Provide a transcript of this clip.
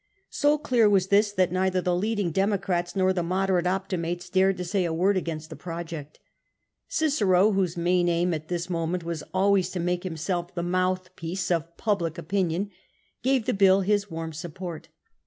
So clear was this, that neither the leading Democrats nor the moderate Optimates dared to say a word against the project. Cicero, whose main aim at this moment was always to make himself the mouth piece of public opinion, gave the bill his warm support.